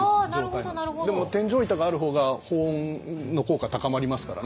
でも天井板がある方が保温の効果は高まりますからね。